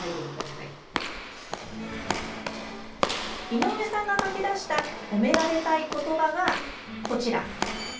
井上さんが書き出した褒められたいことばが、こちら。